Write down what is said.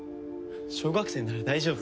小学生なら大丈夫。